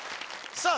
さあ